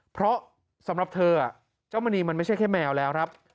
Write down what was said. เพราะสำหรับเธอเจ้ามณีมันไม่ใช่แค่แมวแล้วครับ